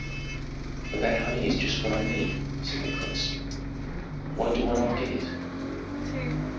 "But that honey is just what I need," said the prince. "Why do I not get it?"